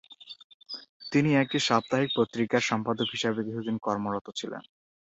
তিনি একটি সাপ্তাহিক পত্রিকার সম্পাদক হিসেবে কিছুদিন কর্মরত ছিলেন।